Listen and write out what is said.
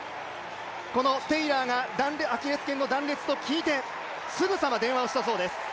このテイラーがアキレスけんの断裂と聞いてすぐさま電話をしたそうです。